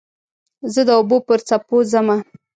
زه د اوبو پر څپو ځمه